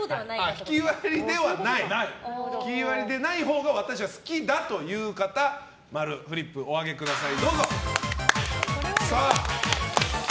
ひきわりでないほうが私は好きだという方フリップをお上げください。